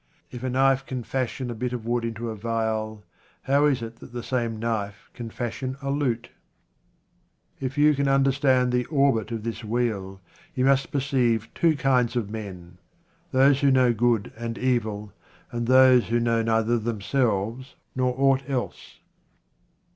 If a knife can fashion a bit of wood into a viol, how is it that the same knife can fashion a lute ? If vou can understand the orbit of this wheel, you must perceive two kinds of men — those who know good and evil, and those who know neither themselves nor aught else.